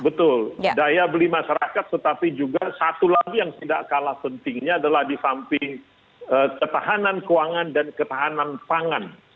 betul daya beli masyarakat tetapi juga satu lagi yang tidak kalah pentingnya adalah di samping ketahanan keuangan dan ketahanan pangan